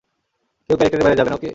কেউ ক্যারেক্টারের বাইরে যাবে না, ওকে?